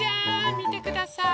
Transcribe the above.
みてください！